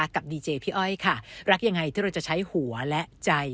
กับดีเจพี่อ้อยรักอย่างไรที่เราจะใช้หัวและใจ